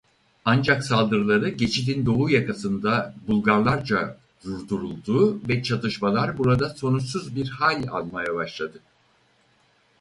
Ancak saldırıları geçidin doğu yakasında Bulgarlarca durduruldu ve çatışmalar burada sonuçsuz bir hal almaya başladı.